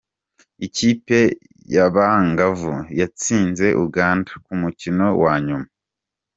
Ikipe y'abangavu yatsinze Uganda ku mukino wa nyuma.